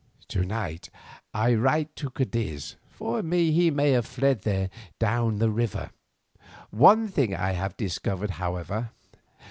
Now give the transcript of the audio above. To night I write to Cadiz, for he may have fled there down the river. One thing I have discovered, however.